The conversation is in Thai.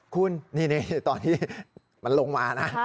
คุณนี่ตอนที่มันลงมานะ